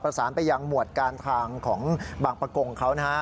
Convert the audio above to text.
ประสานไปยังหมวดการทางของบางประกงเขานะฮะ